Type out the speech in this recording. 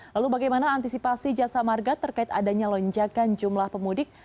lalu bagaimana antisipasi jasa marga terkait adanya lonjakan jumlah pemudik